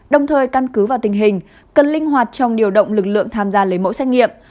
đồng thời căn cứ vào tình hình cần linh hoạt trong điều động lực lượng tham gia lấy mẫu xét nghiệm